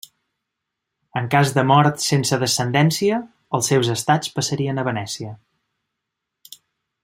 En cas de mort sense descendència els seus estats passarien a Venècia.